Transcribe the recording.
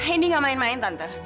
hendy gak main main tante